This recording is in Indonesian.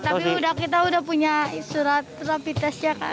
tapi kita udah punya surat rapitest ya kan